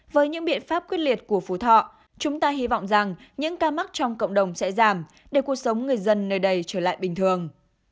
với những biện pháp quyết liệt của phú thọ chúng ta hy vọng rằng những ca mắc trong cộng đồng sẽ giảm để cuộc sống người dân nơi đây trở lại bình thường